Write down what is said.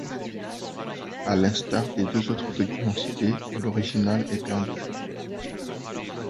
À l'instar des deux autres documents cités, l'original est perdu.